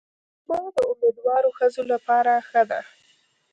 خرما د امیندوارو ښځو لپاره ښه ده.